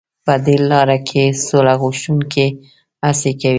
په دې لاره کې سوله غوښتونکي هڅې کوي.